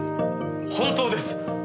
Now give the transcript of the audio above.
本当です。